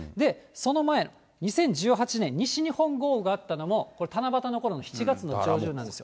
その前、２０１８年、西日本豪雨があったのも、七夕のころの７月の上旬なんです。